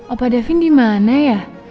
apa davin dimana ya